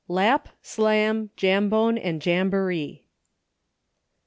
LAP, SLAM, JAMB0NE, AND JAMBOREE.